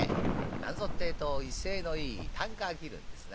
何ぞってえと威勢のいい啖呵切るんですな。